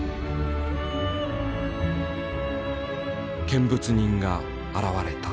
見物人が現れた。